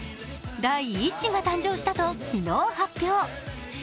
第１子が誕生したと昨日発表。